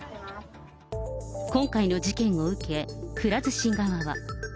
今回の事件を受け、くら寿司側は。